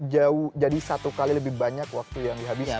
jauh jadi satu kali lebih banyak waktu yang dihabiskan